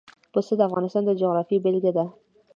پسه د افغانستان د جغرافیې بېلګه ده.